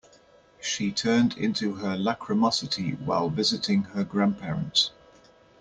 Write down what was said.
She turned into her lachrymosity while visiting her grandparents.